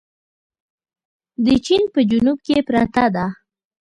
د چين په جنوب کې پرته ده.